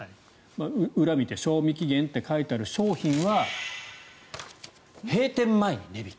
裏を見て賞味期限って書いてある商品は閉店前に値引き。